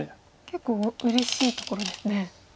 結構うれしいところですね。